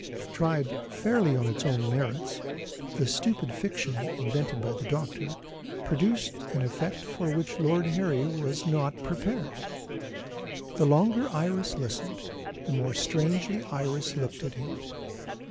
Tried fairly on its own merits, the stupid fiction invented by the doctor produced an effect for which Lord Harry was not prepared. The longer Iris listened, the more strangely Iris looked at him.